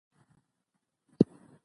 کار د مهارت له لارې ښه کېږي